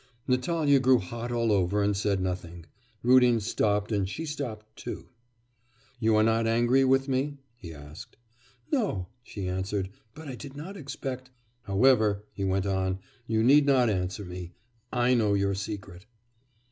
Natalya grew hot all over and said nothing, Rudin stopped, and she stopped too. 'You are not angry with me?' he asked. 'No,' she answered, 'but I did not expect ' 'However,' he went on, 'you need not answer me. I know your secret.